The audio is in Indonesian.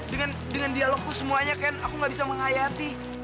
dengan dengan dialogku semuanya ken aku gak bisa menghayat